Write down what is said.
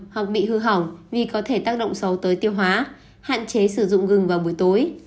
hoặc bị hư hỏng vì có thể tác động xấu tới tiêu hóa hạn chế sử dụng gừng vào buổi tối